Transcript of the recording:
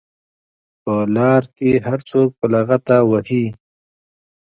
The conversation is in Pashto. په لار کې هر څوک په لغته وهي.